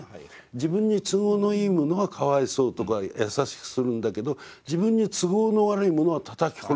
自分に都合のいいものはかわいそうとか優しくするんだけど自分に都合の悪いものはたたき殺すと。